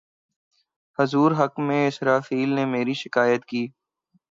حضور حق میں اسرافیل نے میری شکایت کی